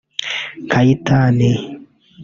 Kayitani